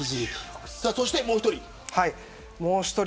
そしてもう１人。